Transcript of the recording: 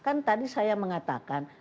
kan tadi saya mengatakan